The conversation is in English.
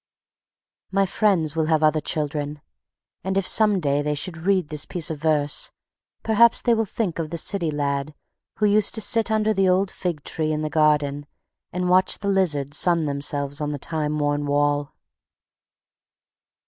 My friends will have other children, and if some day they should read this piece of verse, perhaps they will think of the city lad who used to sit under the old fig tree in the garden and watch the lizards sun themselves on the time worn wall.